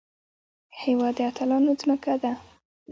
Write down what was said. هېواد د اتلانو ځمکه ده